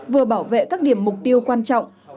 vừa bảo vệ các điểm mục tiêu quan trọng